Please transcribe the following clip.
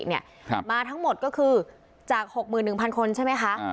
เนี่ยครับมาทั้งหมดก็คือจากหกหมื่นหนึ่งพันคนใช่ไหมคะอ่า